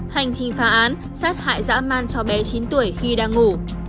hành trình phá án sát hại dã man cho bé chín tuổi khi đang ngủ